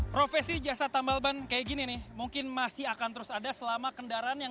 profesi jasa tambal ban kayak gini nih mungkin masih akan terus ada selama kendaraan yang